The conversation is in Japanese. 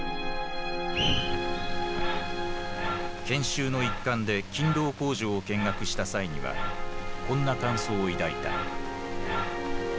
研修の一環で勤労工場を見学した際にはこんな感想を抱いた。